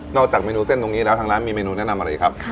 จากเมนูเส้นตรงนี้แล้วทางร้านมีเมนูแนะนำอะไรอีกครับ